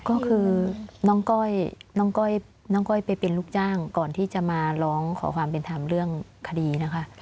ก็คือน้องก้อยน้องก้อยไปเป็นลูกจ้างก่อนที่จะมาร้องขอความเป็นธรรมเรื่องคดีนะคะ